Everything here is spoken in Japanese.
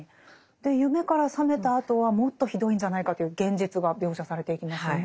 で夢から覚めたあとはもっとひどいんじゃないかという現実が描写されていきますよね。